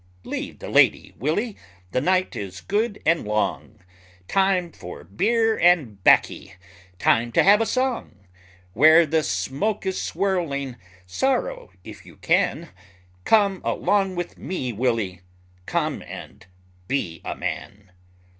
Leave the lady, Willy, the night is good and long, Time for beer and 'baccy, time to have a song; Where the smoke is swirling, sorrow if you can Come along with me, Willy, come and be a man!